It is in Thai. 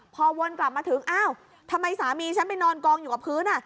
พอวนกลับมาถึงอ้าวทำไมสามีฉันไปนอนกองอยู่กับพื้น